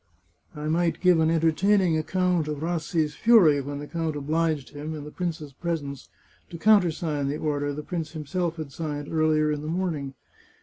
I might give an entertaining account of Rassi's fury when the count obliged him, in the prince's presence, to counter sign the order the prince himself had signed earlier in the morning.